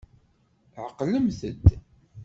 Ɛeqlemt-d.